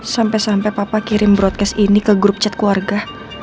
sampai sampai papa kirim broadcast ini ke grup chat keluarga